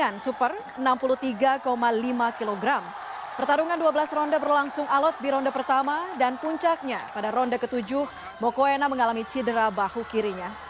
mencapatkan sejarah baru sebagai juara dunia pertama dari indonesia yang meraih gelar di tiga kelas berbeda